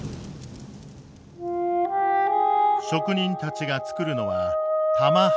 職人たちがつくるのは玉鋼。